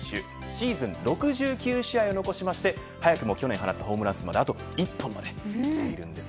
シーズン６９試合を残しまして早くも去年放ったホームラン数まであと１本まできているんです。